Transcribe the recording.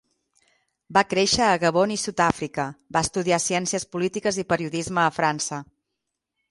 Va créixer a Gabon i Sud-àfrica, va estudiar ciències polítiques i periodisme a França.